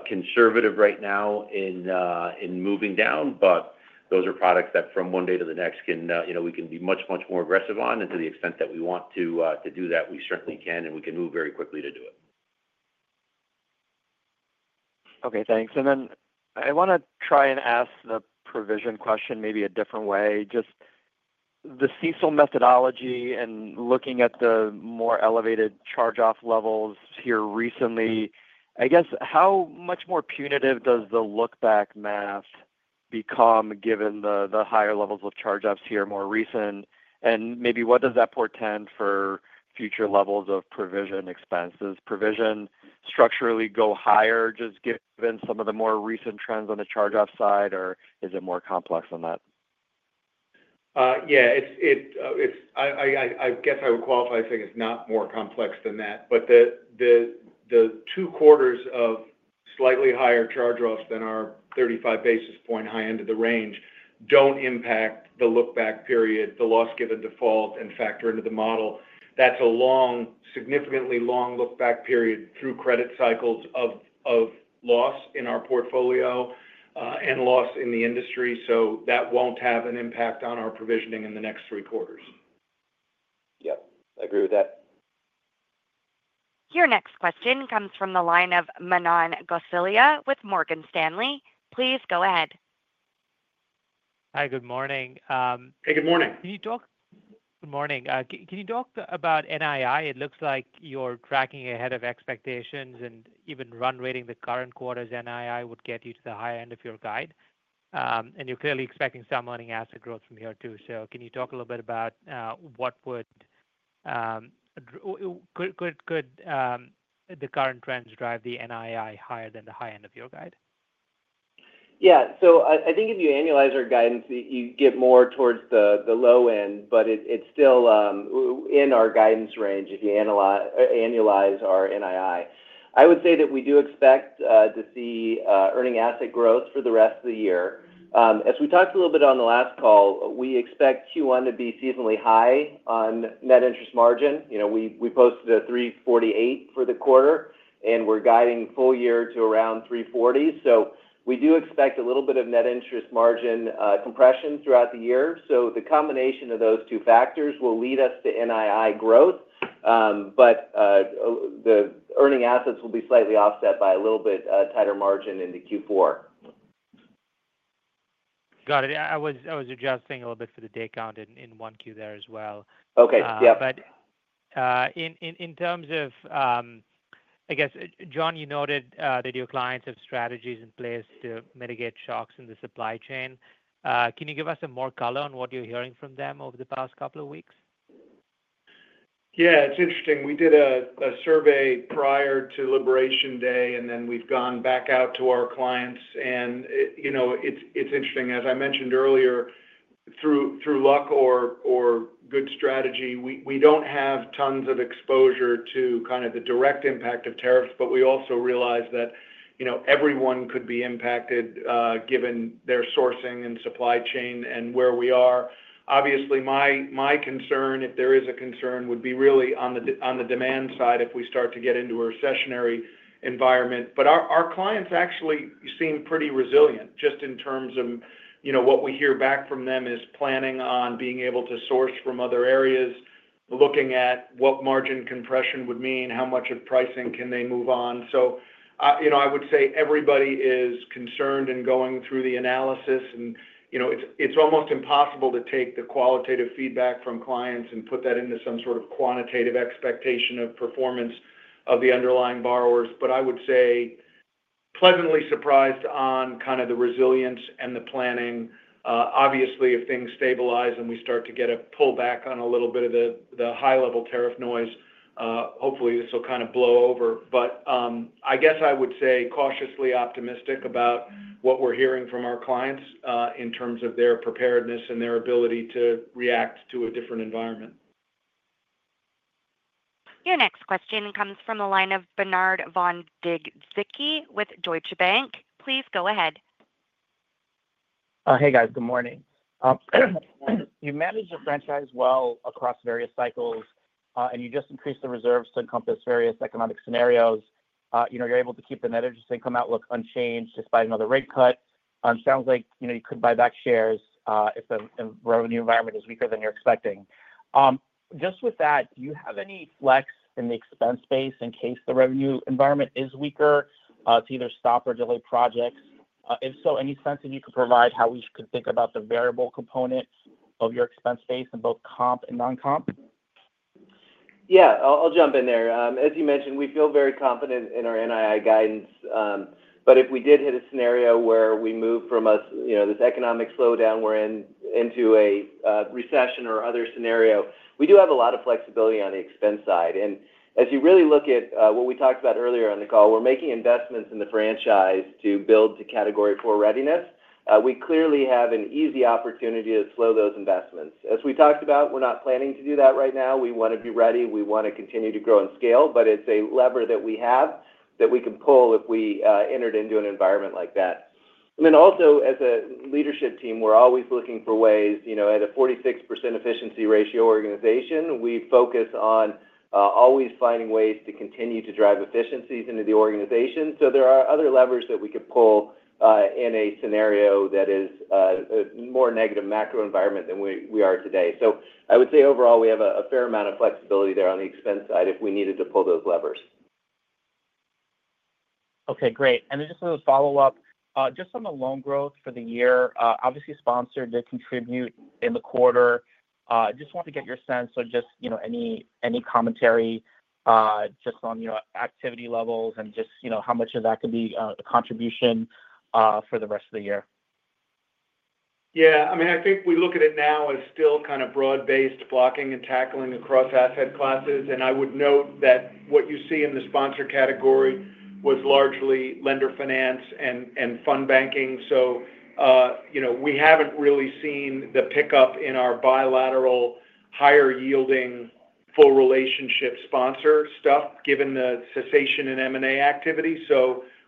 conservative right now in moving down, but those are products that from one day to the next, we can be much, much more aggressive on. To the extent that we want to do that, we certainly can, and we can move very quickly to do it. Okay. Thanks. I want to try and ask the provision question maybe a different way. Just the CECL methodology and looking at the more elevated charge-off levels here recently, I guess how much more punitive does the look-back math become given the higher levels of charge-offs here more recent? What does that portend for future levels of provision expenses? Provision structurally go higher just given some of the more recent trends on the charge-off side, or is it more complex than that? Yeah. I guess I would qualify it as not more complex than that. The two quarters of slightly higher charge-offs than our 35 basis point high end of the range do not impact the look-back period, the loss given default, and factor into the model. That is a significantly long look-back period through credit cycles of loss in our portfolio and loss in the industry. That will not have an impact on our provisioning in the next three quarters. Yep. I agree with that. Your next question comes from the line of Manan Gosalia with Morgan Stanley. Please go ahead. Hi. Good morning. Hey. Good morning. Can you talk? Good morning. Can you talk about NII? It looks like you're tracking ahead of expectations and even run rating the current quarter's NII would get you to the high end of your guide. You're clearly expecting some earning asset growth from here too. Can you talk a little bit about what could the current trends drive the NII higher than the high end of your guide? Yeah. I think if you annualize our guidance, you get more towards the low end, but it's still in our guidance range if you annualize our NII. I would say that we do expect to see earning asset growth for the rest of the year. As we talked a little bit on the last call, we expect Q1 to be seasonally high on net interest margin. We posted a 3.48% for the quarter, and we're guiding full year to around 3.40%. We do expect a little bit of net interest margin compression throughout the year. The combination of those two factors will lead us to NII growth, but the earning assets will be slightly offset by a little bit tighter margin into Q4. Got it. I was adjusting a little bit for the day count in 1Q there as well. In terms of, I guess, John, you noted that your clients have strategies in place to mitigate shocks in the supply chain. Can you give us some more color on what you're hearing from them over the past couple of weeks? Yeah. It's interesting. We did a survey prior to Liberation Day, and then we've gone back out to our clients. It's interesting. As I mentioned earlier, through luck or good strategy, we don't have tons of exposure to kind of the direct impact of tariffs, but we also realize that everyone could be impacted given their sourcing and supply chain and where we are. Obviously, my concern, if there is a concern, would be really on the demand side if we start to get into a recessionary environment. Our clients actually seem pretty resilient just in terms of what we hear back from them is planning on being able to source from other areas, looking at what margin compression would mean, how much of pricing can they move on. I would say everybody is concerned and going through the analysis. It's almost impossible to take the qualitative feedback from clients and put that into some sort of quantitative expectation of performance of the underlying borrowers. I would say pleasantly surprised on kind of the resilience and the planning. Obviously, if things stabilize and we start to get a pullback on a little bit of the high-level tariff noise, hopefully, this will kind of blow over. I would say cautiously optimistic about what we're hearing from our clients in terms of their preparedness and their ability to react to a different environment. Your next question comes from the line of Bernard von Gizycki with Deutsche Bank. Please go ahead. Hey, guys. Good morning. You manage your franchise well across various cycles, and you just increased the reserves to encompass various economic scenarios. You're able to keep the net interest income outlook unchanged despite another rate cut. It sounds like you could buy back shares if the revenue environment is weaker than you're expecting. Just with that, do you have any flex in the expense base in case the revenue environment is weaker to either stop or delay projects? If so, any sense that you could provide how we could think about the variable component of your expense base in both comp and non-comp? Yeah. I'll jump in there. As you mentioned, we feel very confident in our NII guidance. If we did hit a scenario where we move from this economic slowdown we're in into a recession or other scenario, we do have a lot of flexibility on the expense side. As you really look at what we talked about earlier on the call, we're making investments in the franchise to build to Category IV readiness. We clearly have an easy opportunity to slow those investments. As we talked about, we're not planning to do that right now. We want to be ready. We want to continue to grow and scale. It is a lever that we have that we can pull if we entered into an environment like that. As a leadership team, we're always looking for ways. At a 46% efficiency ratio organization, we focus on always finding ways to continue to drive efficiencies into the organization. There are other levers that we could pull in a scenario that is a more negative macro environment than we are today. I would say overall, we have a fair amount of flexibility there on the expense side if we needed to pull those levers. Okay. Great. Just as a follow-up, just on the loan growth for the year, obviously, sponsor did contribute in the quarter. Just wanted to get your sense. Just any commentary just on activity levels and just how much of that could be a contribution for the rest of the year. Yeah. I mean, I think we look at it now as still kind of broad-based blocking and tackling across asset classes. I would note that what you see in the sponsor category was largely lender finance and fund banking. We haven't really seen the pickup in our bilateral higher-yielding full-relationship sponsor stuff given the cessation in M&A activity.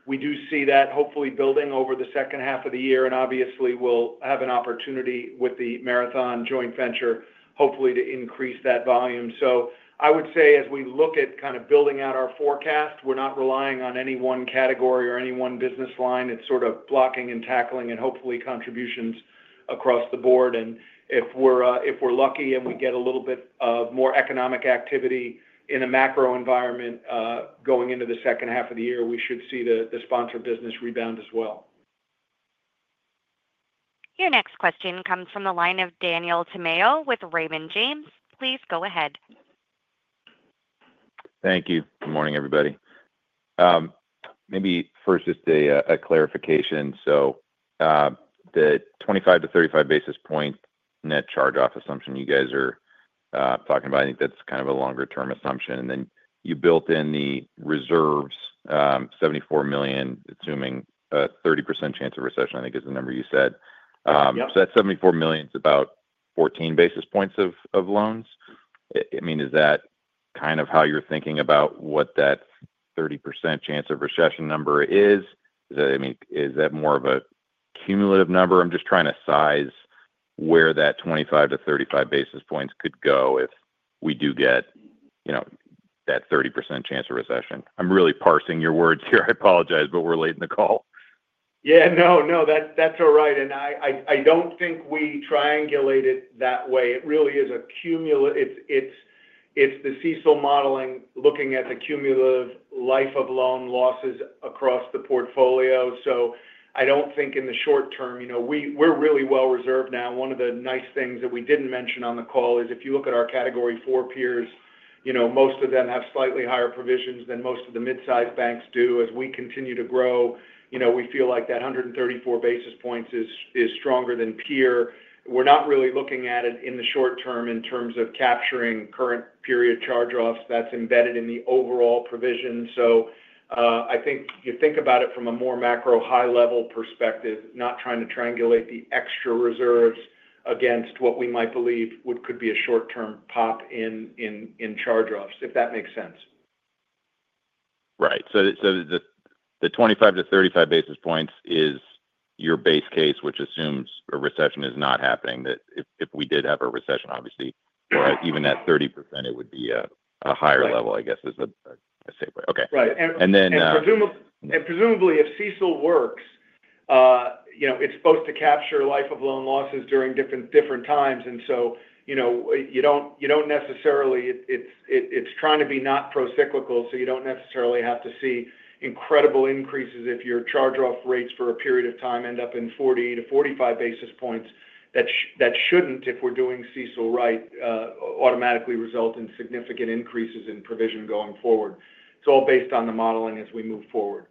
We do see that hopefully building over the second half of the year. Obviously, we'll have an opportunity with the Marathon partnership joint venture, hopefully, to increase that volume. I would say as we look at kind of building out our forecast, we're not relying on any one category or any one business line. It's sort of blocking and tackling and hopefully contributions across the board. If we're lucky and we get a little bit more economic activity in a macro environment going into the second half of the year, we should see the sponsor business rebound as well. Your next question comes from the line of Daniel Tamayo with Raymond James. Please go ahead. Thank you. Good morning, everybody. Maybe first, just a clarification. The 25 to 35 basis point net charge-off assumption you guys are talking about, I think that's kind of a longer-term assumption. You built in the reserves, $74 million, assuming a 30% chance of recession, I think is the number you said. That $74 million is about 14 basis points of loans. I mean, is that kind of how you're thinking about what that 30% chance of recession number is? I mean, is that more of a cumulative number? I'm just trying to size where that 25 to 35 basis points could go if we do get that 30% chance of recession. I'm really parsing your words here. I apologize, but we're late in the call. Yeah. No, no. That's all right. I don't think we triangulate it that way. It really is a cumulative. It's the CECL modeling looking at the cumulative life of loan losses across the portfolio. I don't think in the short term, we're really well reserved now. One of the nice things that we didn't mention on the call is if you look at our Category IV peers, most of them have slightly higher provisions than most of the mid-size banks do. As we continue to grow, we feel like that 134 basis points is stronger than. Here, we're not really looking at it in the short term in terms of capturing current period charge-offs. That's embedded in the overall provision. I think you think about it from a more macro high-level perspective, not trying to triangulate the extra reserves against what we might believe could be a short-term pop in charge-offs, if that makes sense. Right. The 25 to 35 basis points is your base case, which assumes a recession is not happening. If we did have a recession, obviously, or even at 30%, it would be a higher level, I guess, is a safe way. Okay. And then. Right. Presumably, if CECL works, it is supposed to capture life of loan losses during different times. You do not necessarily—it is trying to be not procyclical, so you do not necessarily have to see incredible increases if your charge-off rates for a period of time end up in 40 to 45 basis points. That should not, if we are doing CECL right, automatically result in significant increases in provision going forward. It is all based on the modeling as we move forward.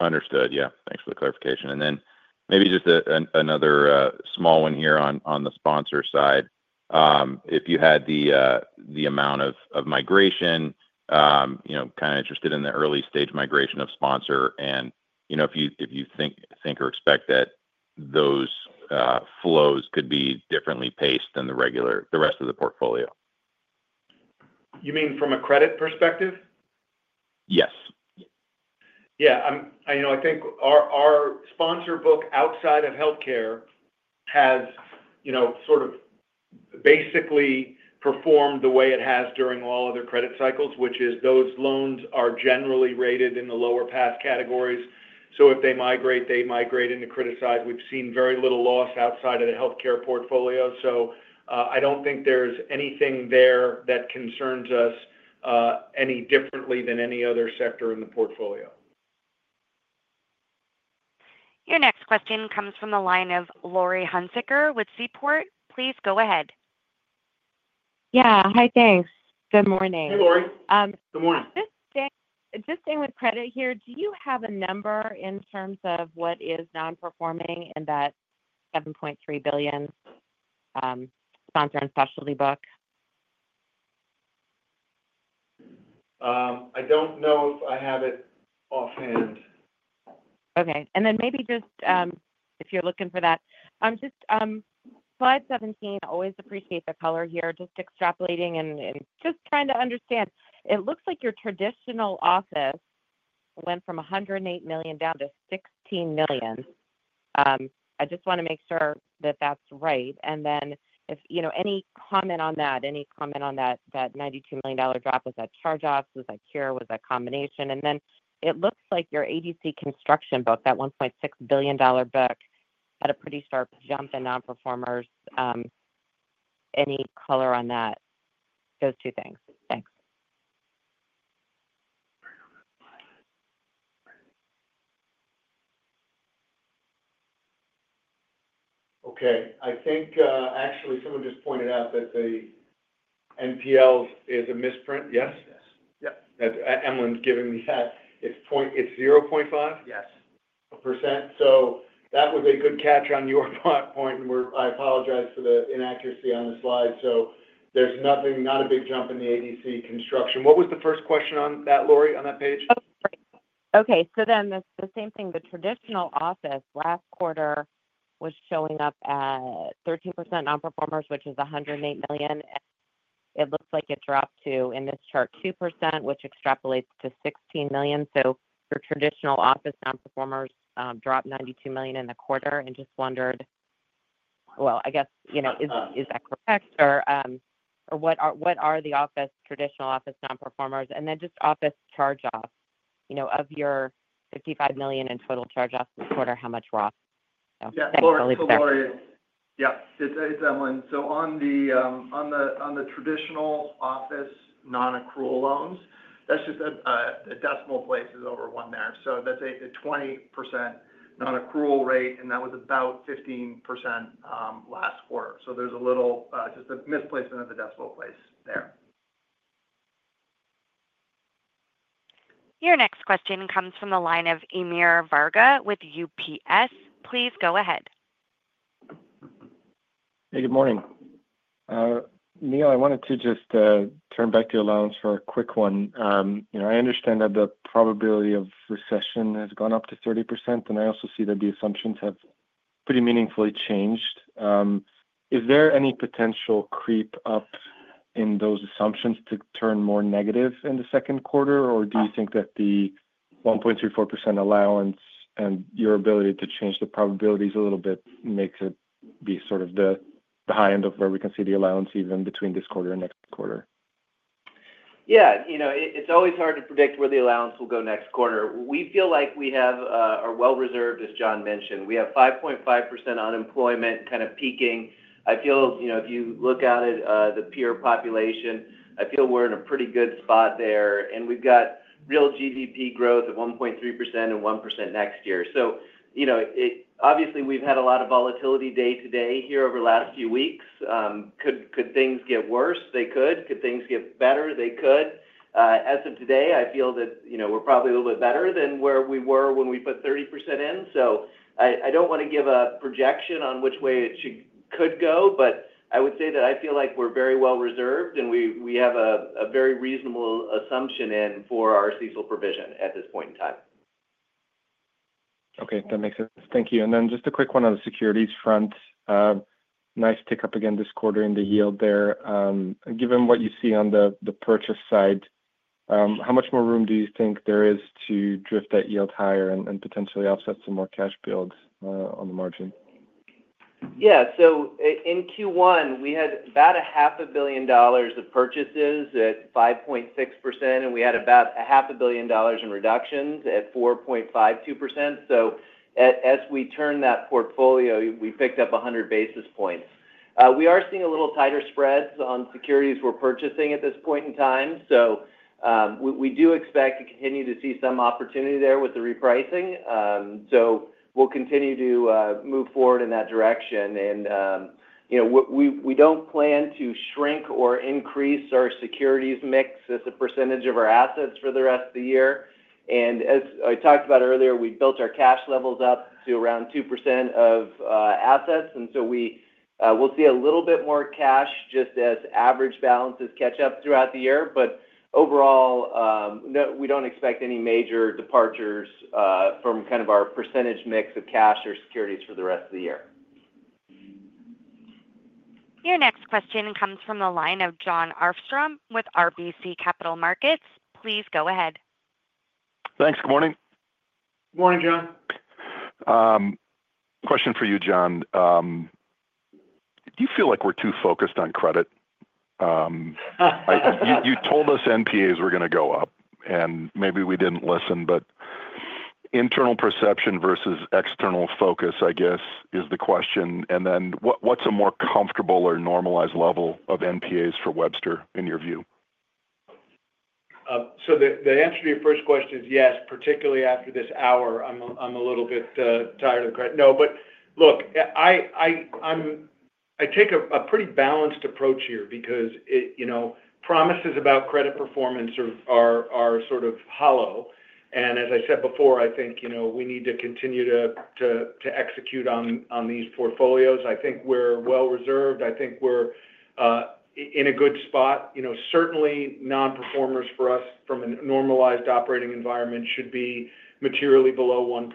Understood. Yeah. Thanks for the clarification. Maybe just another small one here on the sponsor side. If you had the amount of migration, kind of interested in the early-stage migration of sponsor, and if you think or expect that those flows could be differently paced than the rest of the portfolio. You mean from a credit perspective? Yes. Yeah. I think our sponsor book outside of healthcare has sort of basically performed the way it has during all other credit cycles, which is those loans are generally rated in the lower-pass categories. If they migrate, they migrate into criticized. We've seen very little loss outside of the healthcare portfolio. I don't think there's anything there that concerns us any differently than any other sector in the portfolio. Your next question comes from the line of Laurie Hunsicker with Seaport. Please go ahead. Yeah. Hi, thanks. Good morning. Hey, Laurie. Good morning. Just staying with credit here, do you have a number in terms of what is non-performing in that $7.3 billion sponsor and specialty book? I don't know if I have it offhand. Okay. If you're looking for that, just Slide 17, always appreciate the color here, just extrapolating and just trying to understand. It looks like your traditional office went from $108 million down to $16 million. I just want to make sure that that's right. Any comment on that? Any comment on that $92 million drop? Was that charge-off? Was that cure? Was that combination? It looks like your ADC construction book, that $1.6 billion book, had a pretty sharp jump in non-performers. Any color on that? Those two things. Thanks. Okay. I think actually someone just pointed out that the NPL is a misprint. Yes? Yes. That's Emlen giving me that. It's 0.5%? Yes. A percent. That was a good catch on your point. I apologize for the inaccuracy on the slide. There is nothing, not a big jump in the ADC construction. What was the first question on that, Lori, on that page? Oh, sorry. Okay. The same thing, the traditional office last quarter was showing up at 13% non-performers, which is $108 million. It looks like it dropped to, in this chart, 2%, which extrapolates to $16 million. Your traditional office non-performers dropped $92 million in the quarter. I just wondered, I guess, is that correct? Or what are the traditional office non-performers? Then just office charge-off. Of your $55 million in total charge-offs this quarter, how much were office? Thanks. I'll leave it there. Yeah. It's Emlen. On the traditional office non-accrual loans, that's just a decimal places over one there. That's a 20% non-accrual rate. That was about 15% last quarter. There's a little just a misplacement of the decimal place there. Your next question comes from the line of Samuel Varga with UBS. Please go ahead. Hey, good morning. Neal, I wanted to just turn back to your loans for a quick one. I understand that the probability of recession has gone up to 30%. And I also see that the assumptions have pretty meaningfully changed. Is there any potential creep up in those assumptions to turn more negative in the second quarter? Or do you think that the 1.34% allowance and your ability to change the probabilities a little bit makes it be sort of the high end of where we can see the allowance even between this quarter and next quarter? Yeah. It's always hard to predict where the allowance will go next quarter. We feel like we are well-reserved, as John mentioned. We have 5.5% unemployment kind of peaking. I feel if you look at it, the peer population, I feel we are in a pretty good spot there. We have real GDP growth of 1.3% and 1% next year. Obviously, we have had a lot of volatility day to day here over the last few weeks. Could things get worse? They could. Could things get better? They could. As of today, I feel that we are probably a little bit better than where we were when we put 30% in. I do not want to give a projection on which way it could go. I would say that I feel like we are very well reserved. We have a very reasonable assumption in for our CECL provision at this point in time. Okay. That makes sense. Thank you. Just a quick one on the securities front. Nice pickup again this quarter in the yield there. Given what you see on the purchase side, how much more room do you think there is to drift that yield higher and potentially offset some more cash builds on the margin? Yeah. In Q1, we had about $500 million of purchases at 5.6%. We had about $500 million in reductions at 4.52%. As we turn that portfolio, we picked up 100 basis points. We are seeing a little tighter spreads on securities we're purchasing at this point in time. We do expect to continue to see some opportunity there with the repricing. We'll continue to move forward in that direction. We don't plan to shrink or increase our securities mix as a percentage of our assets for the rest of the year. As I talked about earlier, we built our cash levels up to around 2% of assets. We'll see a little bit more cash just as average balances catch up throughout the year. Overall, we don't expect any major departures from kind of our percentage mix of cash or securities for the rest of the year. Your next question comes from the line of Jon Arfstrom with RBC Capital Markets. Please go ahead. Thanks. Good morning. Good morning, Jon. Question for you, John. Do you feel like we're too focused on credit? You told us NPAs were going to go up. Maybe we didn't listen. Internal perception versus external focus, I guess, is the question. What's a more comfortable or normalized level of NPAs for Webster in your view? The answer to your first question is yes, particularly after this hour. I'm a little bit tired of credit. No, but look, I take a pretty balanced approach here because promises about credit performance are sort of hollow. As I said before, I think we need to continue to execute on these portfolios. I think we're well reserved. I think we're in a good spot. Certainly, non-performers for us from a normalized operating environment should be materially below 1%.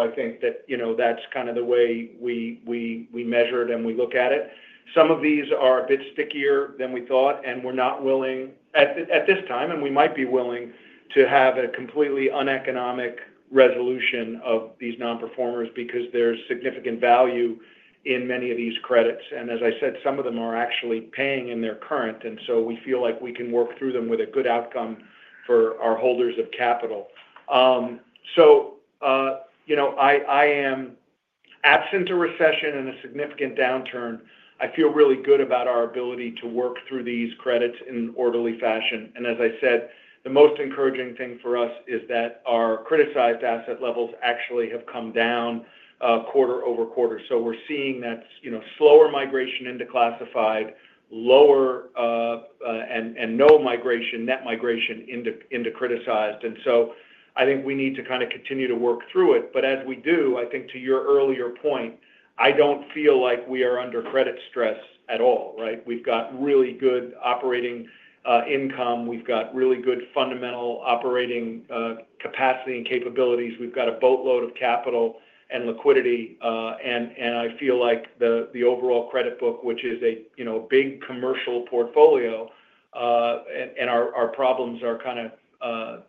I think that that's kind of the way we measure it and we look at it. Some of these are a bit stickier than we thought. We're not willing at this time, and we might be willing to have a completely uneconomic resolution of these non-performers because there's significant value in many of these credits. As I said, some of them are actually paying in their current. We feel like we can work through them with a good outcome for our holders of capital. I am, absent a recession and a significant downturn, I feel really good about our ability to work through these credits in orderly fashion. As I said, the most encouraging thing for us is that our criticized asset levels actually have come down quarter-over-quarter. We're seeing that slower migration into classified, lower and no net migration into criticized. I think we need to kind of continue to work through it. As we do, I think to your earlier point, I don't feel like we are under credit stress at all, right? We've got really good operating income. We've got really good fundamental operating capacity and capabilities. We've got a boatload of capital and liquidity. I feel like the overall credit book, which is a big commercial portfolio, and our problems are kind of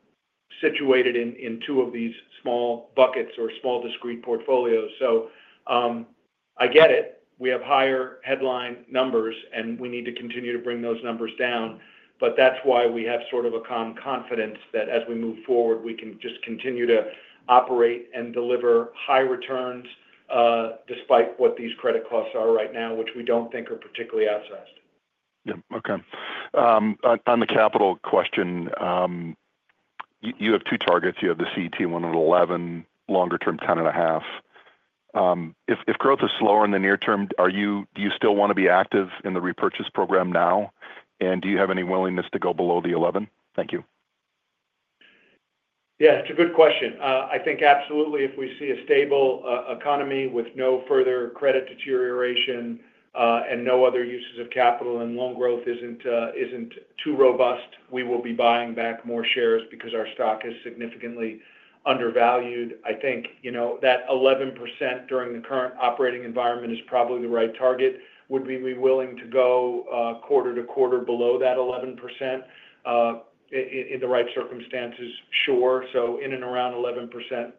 situated in two of these small buckets or small discrete portfolios. I get it. We have higher headline numbers, and we need to continue to bring those numbers down. That is why we have sort of a calm confidence that as we move forward, we can just continue to operate and deliver high returns despite what these credit costs are right now, which we do not think are particularly outsized. Yeah. Okay. On the capital question, you have two targets. You have the CET1 of 11, longer-term 10.5. If growth is slower in the near term, do you still want to be active in the repurchase program now? And do you have any willingness to go below the 11? Thank you. Yeah. It's a good question. I think absolutely if we see a stable economy with no further credit deterioration and no other uses of capital and loan growth isn't too robust, we will be buying back more shares because our stock is significantly undervalued. I think that 11% during the current operating environment is probably the right target. Would we be willing to go quarter to quarter below that 11% in the right circumstances? Sure. In and around 11%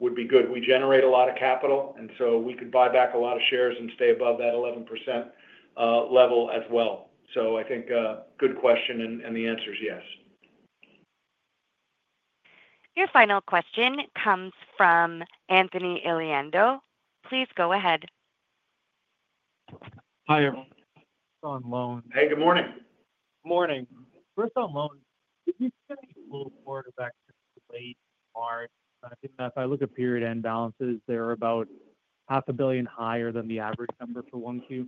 would be good. We generate a lot of capital. And we could buy back a lot of shares and stay above that 11% level as well. I think good question. The answer is yes. Your final question comes from Anthony Elian. Please go ahead. Hi. First on loans. Hey, good morning. Morning. First on loans, did you see any little more of that since late March? If I look at period end balances, they're about $500 million higher than the average number for 1Q.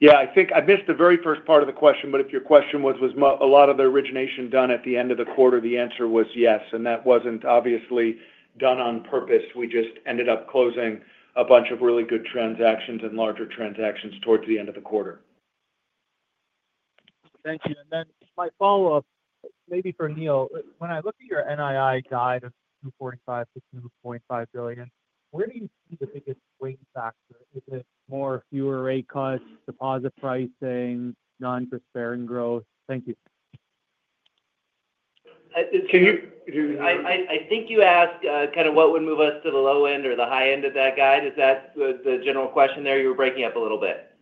Yeah. I missed the very first part of the question. If your question was, was a lot of the origination done at the end of the quarter, the answer was yes. That was not obviously done on purpose. We just ended up closing a bunch of really good transactions and larger transactions towards the end of the quarter. Thank you. My follow-up, maybe for Neal, when I look at your NII guide of $2.45 billion-$2.5 billion, where do you see the biggest weight factor? Is it more fewer rate cuts, deposit pricing, non-interest-bearing growth? Thank you. I think you asked kind of what would move us to the low end or the high end of that guide. Is that the general question there? You were breaking up a little bit.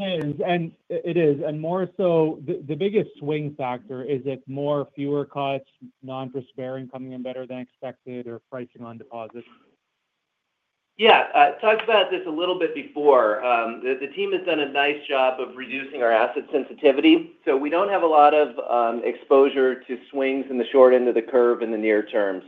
It is. More so, the biggest swing factor is it more fewer cuts, non-interest-bearing coming in better than expected, or pricing on deposits? Yeah. I talked about this a little bit before. The team has done a nice job of reducing our asset sensitivity. We do not have a lot of exposure to swings in the short end of the curve in the near term.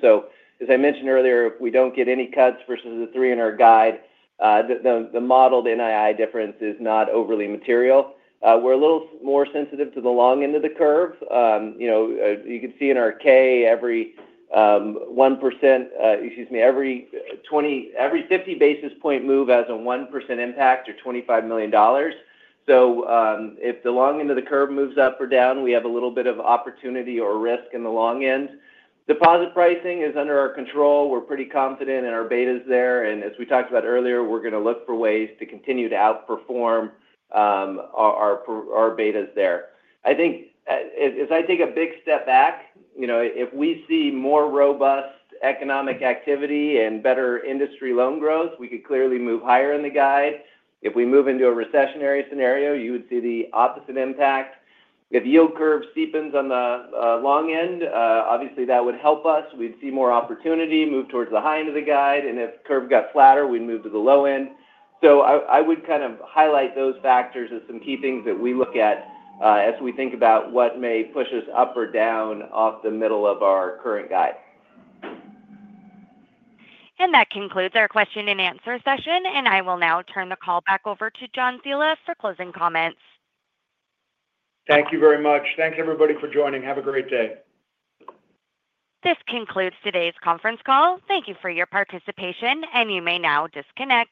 As I mentioned earlier, if we do not get any cuts versus the three in our guide, the modeled NII difference is not overly material. We are a little more sensitive to the long end of the curve. You can see in our K, every 1%—excuse me, every 50 basis point move has a 1% impact or $25 million. If the long end of the curve moves up or down, we have a little bit of opportunity or risk in the long end. Deposit pricing is under our control. We are pretty confident in our betas there. As we talked about earlier, we're going to look for ways to continue to outperform our betas there. I think as I take a big step back, if we see more robust economic activity and better industry loan growth, we could clearly move higher in the guide. If we move into a recessionary scenario, you would see the opposite impact. If yield curve steepens on the long end, obviously that would help us. We'd see more opportunity move towards the high end of the guide. If curve got flatter, we'd move to the low end. I would kind of highlight those factors as some key things that we look at as we think about what may push us up or down off the middle of our current guide. That concludes our question and answer session. I will now turn the call back over to John Ciulla for closing comments. Thank you very much. Thanks, everybody, for joining. Have a great day. This concludes today's conference call. Thank you for your participation. You may now disconnect.